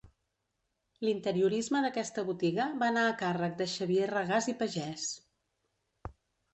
L'interiorisme d'aquesta botiga va anar a càrrec de Xavier Regàs i Pagès.